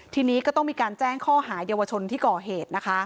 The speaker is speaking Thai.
ทีนี้ก็ต้องมีการแจ้งข้อหาเยาวชนที่ก่อเหตุนะคะ